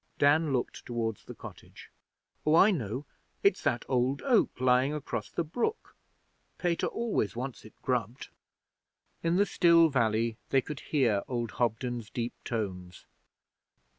Dan looked towards the cottage. 'Oh, I know. It's that old oak lying across the brook. Pater always wants it grubbed.' In the still valley they could hear old Hobden's deep tones.